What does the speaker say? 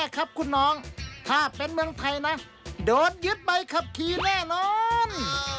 ครับคุณน้องถ้าเป็นเมืองไทยนะโดนยึดใบขับขี่แน่นอน